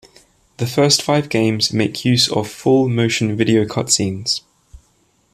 The first five games make use of full-motion video cutscenes.